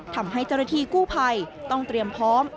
ทำให้เจรฐีกู้ภัยต้องเตรียมพร้อม